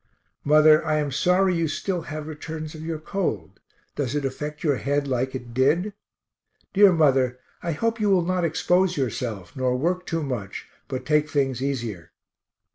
Mother, I am sorry you still have returns of your cold. Does it affect your head like it did? Dear mother, I hope you will not expose yourself, nor work too much, but take things easier.